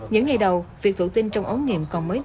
những ngày đầu việc thủ tinh trong ống nghiệm còn mới tốt